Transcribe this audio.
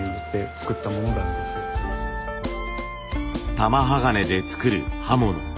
玉鋼で作る刃物。